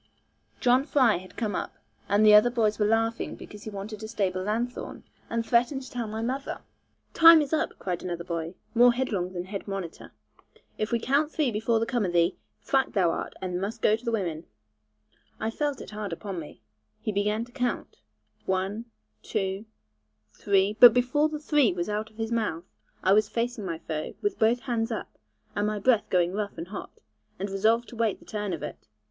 John Fry had come up, and the boys were laughing because he wanted a stable lanthorn, and threatened to tell my mother. 'Time is up,' cried another boy, more headlong than head monitor. 'If we count three before the come of thee, thwacked thou art, and must go to the women.' I felt it hard upon me. He began to count, one, too, three but before the 'three' was out of his mouth, I was facing my foe, with both hands up, and my breath going rough and hot, and resolved to wait the turn of it.